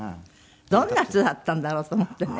どんな人だったんだろうと思ってね。